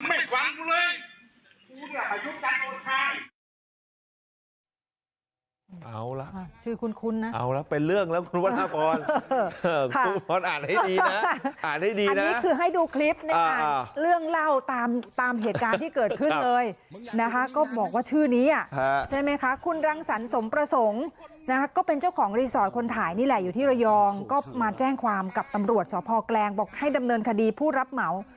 เอาล่ะชื่อคุณคุณนะเอาล่ะเป็นเรื่องแล้วคุณวันภพรคุณวันภพรอ่านให้ดีนะอ่านให้ดีนะอันนี้คือให้ดูคลิปในการเรื่องเล่าตามตามเหตุการณ์ที่เกิดขึ้นเลยนะฮะก็บอกว่าชื่อนี้ใช่ไหมคะคุณรังสรรสมประสงค์นะฮะก็เป็นเจ้าของรีสอร์ทคนถ่ายนี่แหละอยู่ที่ระยองก็มาแจ้งความกับตำรวจสอบ